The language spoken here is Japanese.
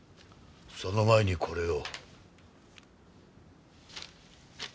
その前にこれを。